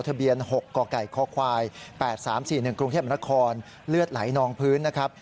ทะเบียน๖กกคควาย๘๓๔๑กรุงเทพมนครเลือดไหลนองพื้นนะครับ